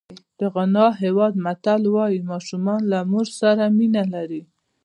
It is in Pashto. د غانا هېواد متل وایي ماشومان له مور سره مینه لري.